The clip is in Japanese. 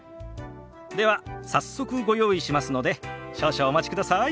では早速ご用意しますので少々お待ちください。